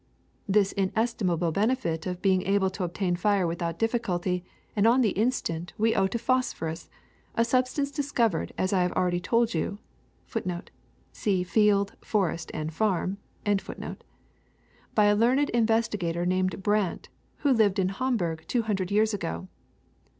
*^This inestimable benefit of being able to obtain fire without difficulty and on the instant we owe to phosphorus, a substance discovered, as I have al ready told you,^ by a learned investigator named Brandt, who lived in Hamburg two hundred years ago.